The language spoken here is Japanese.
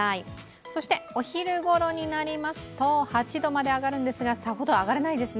そしてお昼ごろになりますと８度まで上がるんですがさほど上がらないですね。